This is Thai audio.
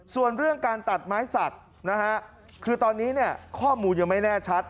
ส่วนเรื่องการตัดไม้สักนะฮะคือตอนนี้เนี่ยข้อมูลยังไม่แน่ชัด